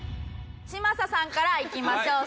嶋佐さんからいきましょう。